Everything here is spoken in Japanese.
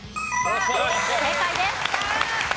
正解です。